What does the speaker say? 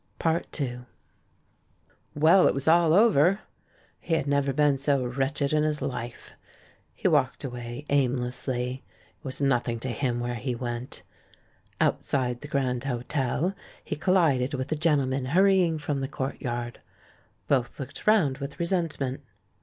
II Well, it was all over! He had never been so wretched in his life. He walked away aimlessly ; it was nothing to him where he went. Outside the Grand Hotel he collided with a gentleman hurrying from the courtyard. Both looked round with resentment.